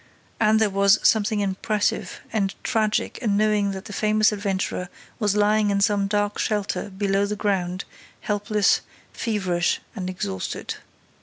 And there was something impressive and tragic in knowing that the famous adventurer was lying in some dark shelter, below the ground, helpless, feverish and exhausted.